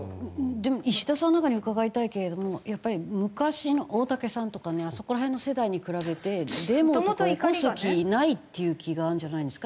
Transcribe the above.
でも石田さんなんかに伺いたいけれどもやっぱり昔の大竹さんとかねあそこら辺の世代に比べてデモとか起こす気ないっていう気があるんじゃないですか？